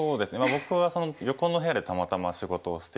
僕は横の部屋でたまたま仕事をしていて。